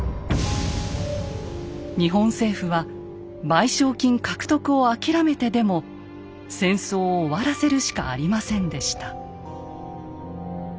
日本政府は賠償金獲得を諦めてでも戦争を終わらせるしかありませんでした。